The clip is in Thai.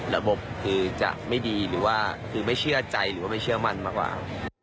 ระบบคือจะไม่ดีหรือว่าคือไม่เชื่อใจหรือว่าไม่เชื่อมั่นมากกว่า